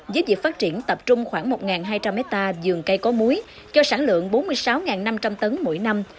giúp dịp phát triển tập trung khoảng một hai trăm linh hectare dường cây có muối cho sản lượng bốn mươi sáu năm trăm linh tấn mỗi năm